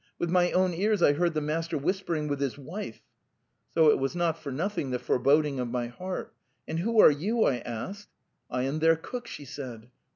With my own ears I heard the master whispering with his wife. ...' So it was not for nothing, the foreboding of my heart! 'And who are you?' I asked. 'I am their cook,' she said...